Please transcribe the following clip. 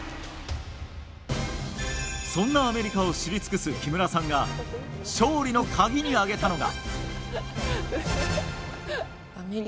そんなアメリカを知り尽くす木村さんが勝利の鍵に挙げたのが。